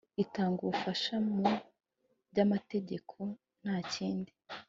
itanga Ubufasha mu by amategeko nta kindi